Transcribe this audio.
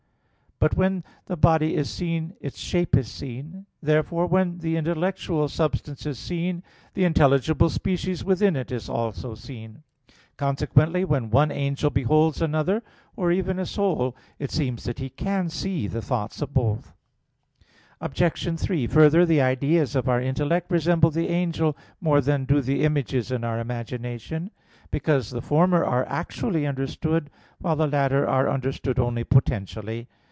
But when the body is seen its shape is seen. Therefore, when an intellectual substance is seen, the intelligible species within it is also seen. Consequently, when one angel beholds another, or even a soul, it seems that he can see the thoughts of both. Obj. 3: Further, the ideas of our intellect resemble the angel more than do the images in our imagination; because the former are actually understood, while the latter are understood only potentially.